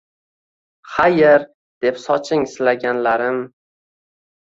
Xayr! — deb soching silaganlarim